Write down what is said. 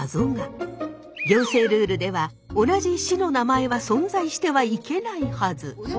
行政ルールでは同じ市の名前は存在してはいけないはず。